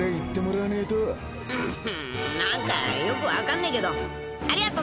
「何かよく分かんねえけどありがとな」